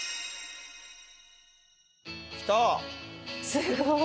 すごい！